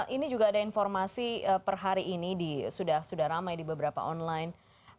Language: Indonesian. ini juga ada informasi per hari ini sudah ramai di beberapa online